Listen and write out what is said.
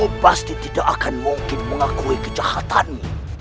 saya pasti tidak akan mungkin mengakui kejahatanmu